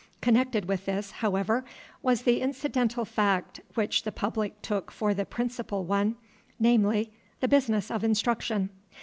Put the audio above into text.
Connected with this, however, was the incidental fact, which the public took for the principal one, namely, the business of instruction.